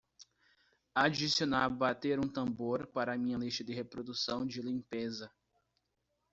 adicionar bater um tambor para minha lista de reprodução de limpeza